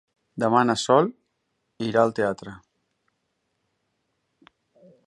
Demà na Sol irà al teatre.